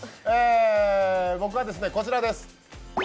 僕はこちらです。